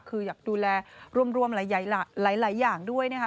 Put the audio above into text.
คืออยากดูแลรวมหลายอย่างด้วยนะคะ